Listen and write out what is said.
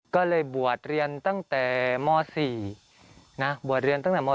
ก็เลยบวชเรียนตั้งแต่ม๔นะบวชเรียนตั้งแต่ม๔